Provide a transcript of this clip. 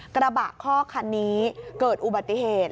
กระบะคอกคันนี้เกิดอุบัติเหตุ